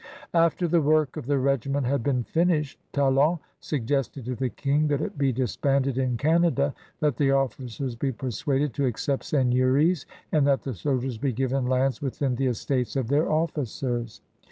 After the work of the regiment had been finished. Talon suggested to the Eong that it be disbanded in Canada, that the officers be persuaded to accept seigneuries, and that the soldiers be given lands within the estates of their officers.